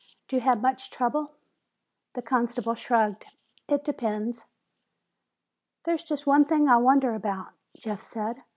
"Do you have much trouble?" The constable shrugged. "It depends." "There's just one thing I wonder about," Jeff said.